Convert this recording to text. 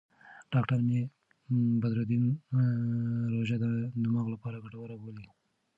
ډاکټره مي بدرالدین روژه د دماغ لپاره ګټوره بولي.